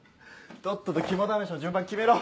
とっとと肝試しの順番決めろ。